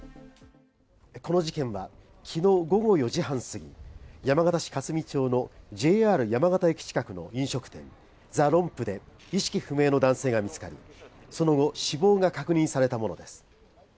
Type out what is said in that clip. この事件は昨日午後４時半過ぎ、山形市香澄町のＪＲ山形駅近くの飲食店ザ・ロンプで意識不明の男性が見つかり、その後死亡が確認されたものです。